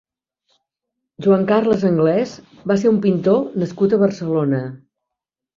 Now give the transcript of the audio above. Joan Carles Anglès va ser un pintor nascut a Barcelona.